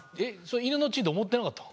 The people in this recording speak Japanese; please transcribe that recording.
犬の狆と思ってなかった？